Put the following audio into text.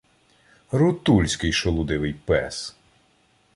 Рутульський шолудивий пес!